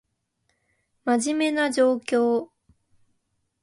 真面目な状況